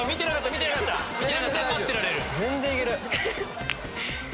全然いけるよ！